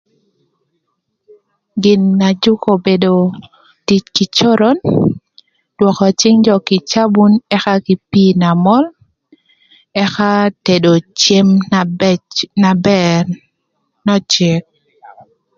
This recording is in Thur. Gin na jükö obedo tic kï coron, lwökö cïng jö kï cabun ëka kï pii na möl ëka tedo cem na bëcö na bër n'öcëk.